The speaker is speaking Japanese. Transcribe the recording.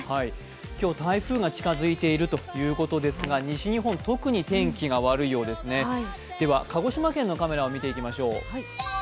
今日、台風が近づいているということですが、西日本、特に天気が悪いようですねでは鹿児島県のカメラを見てみましょう。